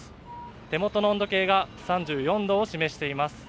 手元の温度計が３４度を示しています。